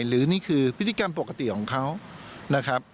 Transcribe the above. หรือนี่คือพฤติกรรมปกติของเขานะครับ